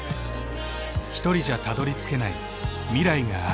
ひとりじゃたどりつけない未来がある。